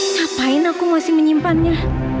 ngapain aku masih menyimpannya